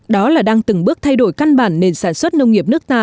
đó là đang từng bước thay đổi căn bản nền sản xuất nông nghiệp nước ta